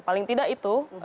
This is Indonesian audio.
paling tidak itu